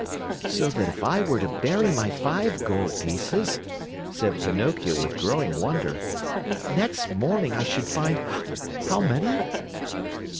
"So that if I were to bury my five gold pieces," cried Pinocchio with growing wonder, "next morning I should find how many?"